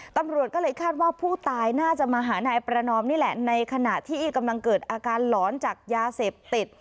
ตำรวจก็เลยคาดว่าผู้ตายน่าจะมาหานายประนอมนี่แหละในขณะที่กำลังเกิดอาการหลอนจากยาเสพติด